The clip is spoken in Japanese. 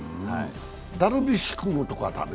ダルビッシュ君のところは駄目？